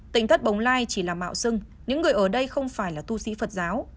tỉnh thất bồng lai chỉ là mạo dưng những người ở đây không phải là tu sĩ phật giáo